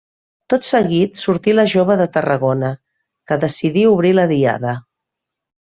Tot seguit sortí la Jove de Tarragona, que decidí obrir la diada.